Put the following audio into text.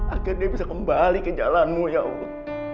akhirnya dia bisa kembali ke jalanmu ya allah